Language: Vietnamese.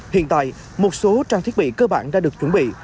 hiện tại một số trang thiết bị cơ bản đã được chuẩn bị